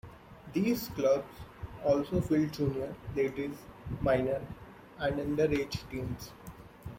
These clubs also field Junior, Ladies, Minor and Underage teams.